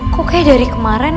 kok kayak dari kemarin